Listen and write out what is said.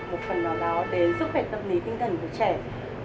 một phần đó nó đến sức khỏe tâm lý tinh thần của trẻ